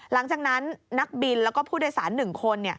หลังจากนั้นนักบินแล้วก็ผู้โดยสาร๑คน